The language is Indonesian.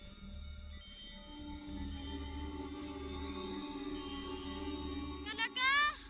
coba kamu mencari jalan sama aku